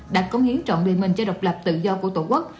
đã cống hiến trọng đề mệnh cho độc lập tự do của tổ quốc